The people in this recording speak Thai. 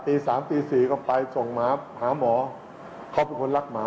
มีคนใจดีก็ตัดสินใจนั่งรถจากหมอชิตจะไปขอนแก่น